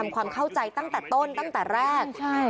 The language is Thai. ความเข้าใจตั้งแต่ต้นตั้งแต่แรก